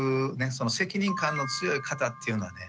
その責任感の強い方っていうのはね